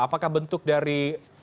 apakah bentuk dari